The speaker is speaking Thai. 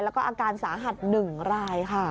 แล้วก็อาการสาหัส๑รายค่ะ